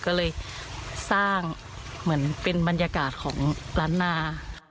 ก็เลยสร้างเหมือนเป็นบรรยากาศของร้านนา